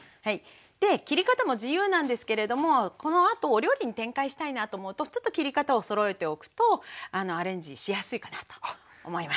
切り方も自由なんですけれどもこのあとお料理に展開したいなと思うとちょっと切り方をそろえておくとアレンジしやすいかなと思います。